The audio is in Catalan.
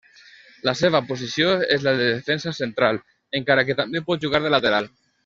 La seva posició és la de defensa central, encara que també pot jugar de lateral.